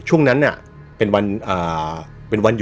ช่วงนั้นน่ะเป็นวันอ่าเป็นวันนี้